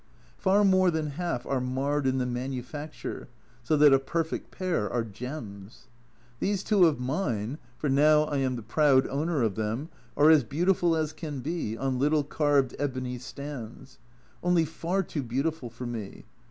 Far more than half are marred in the manufacture, so that a perfect pair are gems. These two of mine (for now I am the proud owner of them) are as beautiful as can be, on little carved ebony stands. Only far too beautiful for me.